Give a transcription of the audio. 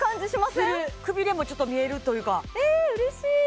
するくびれもちょっと見えるというかえ嬉しい